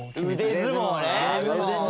腕相撲ね。